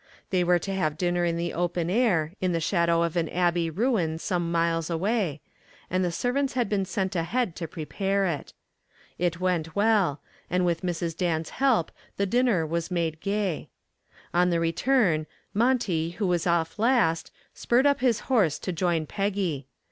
They were to have dinner in the open air in the shadow of an abbey ruin some miles away, and the servants had been sent ahead to prepare it. It went well, and with Mrs. Dan's help the dinner was made gay. On the return Monty who was off last spurred up his horse to join Peggy.